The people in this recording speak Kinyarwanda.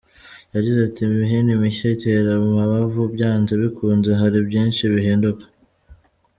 Yagize ati “Imihini mishya itera amabavu, byanze bikunze hari byinshi bihinduka.